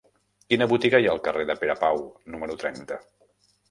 Quina botiga hi ha al carrer de Pere Pau número trenta?